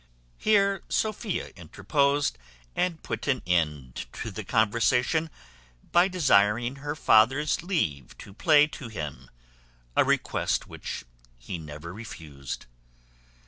Here Sophia interposed, and put an end to the conversation, by desiring her father's leave to play to him; a request which he never refused.